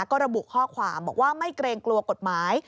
ก็ระบุข้อความบอกว่าไม่เกรงกลัวกฎหมาย